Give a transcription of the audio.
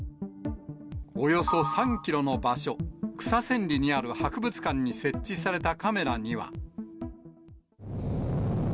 およそ３キロの場所、草千里にある博物館に設置されたカメラには。